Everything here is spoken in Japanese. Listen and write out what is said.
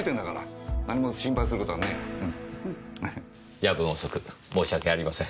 夜分遅く申し訳ありません。